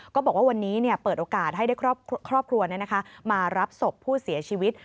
ก็บอกว่าวันนี้เปิดโอกาสให้ครอบครัวมารับศพผู้เสียชีวิต